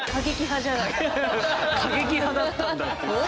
過激派だったんだっていう。